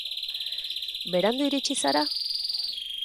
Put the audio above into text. Berandu iritsi zara?